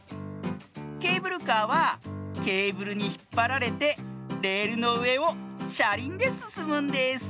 ケーブルカーはケーブルにひっぱられてレールのうえをしゃりんですすむんです。